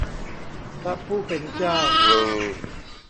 พระผู้เป็นเจ้า